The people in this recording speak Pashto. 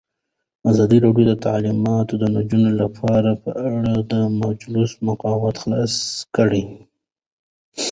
ازادي راډیو د تعلیمات د نجونو لپاره په اړه د مجلو مقالو خلاصه کړې.